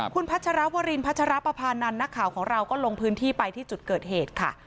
คุณพัชรวรินพัชรปภานันทร์นักข่าวของเราก็ลงพื้นที่ไปที่จุดเกิดเหตุค่ะ